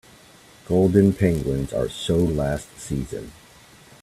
Golden penguins are so last season.